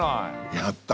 やった！